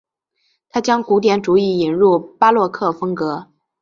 他将古典主义引入巴洛克风格。